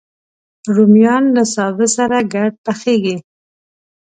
رومیان له سابه سره ګډ پخېږي